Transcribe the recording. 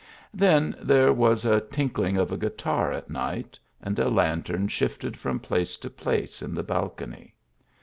Then there was a tinkling of a guitar at night, and a lantern shifted from place to place in the balcony.